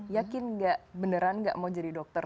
yakin gak beneran gak mau jadi dokter